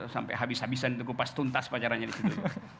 sampai habis habisan itu kupas tuntas pacarannya di situ